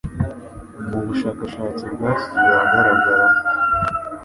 Mu bushakashatsi bwashyizwe ahagaragara